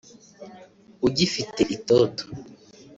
ugifite itoto